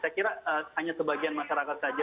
saya kira hanya sebagian masyarakat saja